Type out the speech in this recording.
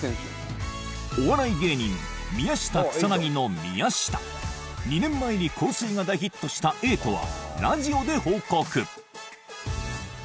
お笑い芸人宮下草薙の宮下２年前に「香水」が大ヒットした瑛人はラジオで報告。